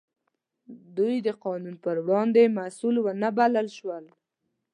دوی د قانون په وړاندې مسوول ونه بلل شول.